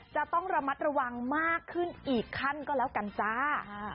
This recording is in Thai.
จะต้องระมัดระวังมากขึ้นอีกขั้นก็แล้วกันจ้า